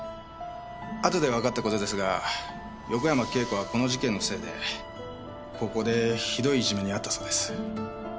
あとでわかったことですが横山慶子はこの事件のせいで高校でひどいいじめに遭ったそうです。